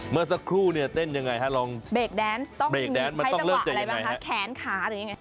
เมื่อสักครู่เนี่ยเต้นยังไงฮะลองเบรกแดนซ์ต้องมีใช้จังหวะอะไรบ้างฮะแขนขาหรือยังไง